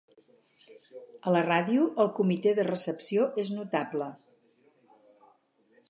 A la ràdio, el comitè de recepció és notable.